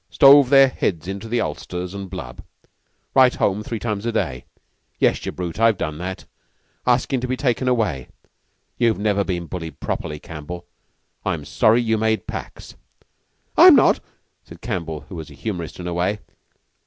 Shove their heads into the ulsters an' blub. Write home three times a day yes, you brute, I've done that askin' to be taken away. You've never been bullied properly, Campbell. I'm sorry you made pax." "I'm not!" said Campbell, who was a humorist in a way.